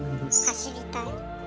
走りたい？